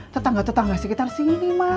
tetangga tetangga sekitar sini mas